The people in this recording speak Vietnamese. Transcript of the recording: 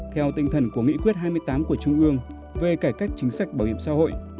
theo tinh thần của nghị quyết hai mươi tám của trung ương về cải cách chính sách bảo hiểm xã hội